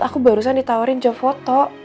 aku barusan ditawarin jam foto